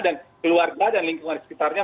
dan keluarga dan lingkungan sekitarnya